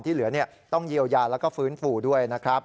ที่เหลือต้องเยียวยาแล้วก็ฟื้นฟูด้วยนะครับ